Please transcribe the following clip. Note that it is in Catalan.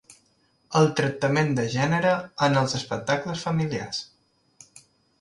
El tractament de gènere en els espectacles familiars.